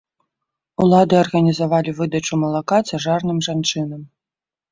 Улады арганізавалі выдачу малака цяжарным жанчынам.